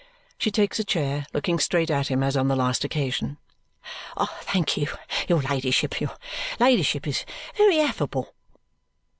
She takes a chair, looking straight at him as on the last occasion. "Thank your ladyship. Your ladyship is very affable."